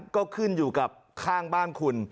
ก็ขึ้นอยู่กับข้างบ้านคุณ